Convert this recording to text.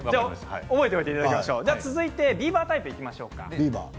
続いてビーバータイプいきましょう。